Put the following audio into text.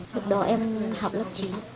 lúc đó em học lớp chín